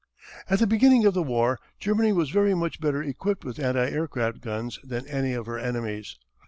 At the beginning of the war Germany was very much better equipped with anti aircraft guns than any of her enemies.